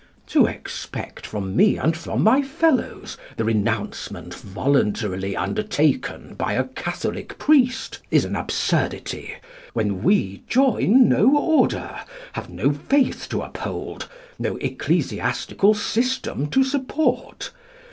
To expect from me and from my fellows the renouncement voluntarily undertaken by a Catholic priest is an absurdity, when we join no order, have no faith to uphold, no ecclesiastical system to support.